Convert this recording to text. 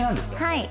はい。